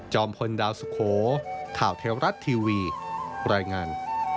พลดาวสุโขข่าวเทวรัฐทีวีรายงาน